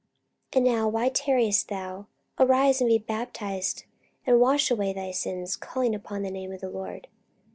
44:022:016 And now why tarriest thou? arise, and be baptized, and wash away thy sins, calling on the name of the Lord.